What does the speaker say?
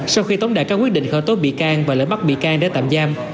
sau khi tống đại các quyết định khẩu tố bị can và lễ bắt bị can để tạm giam